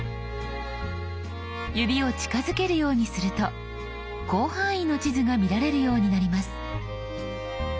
指を近づけるようにすると広範囲の地図が見られるようになります。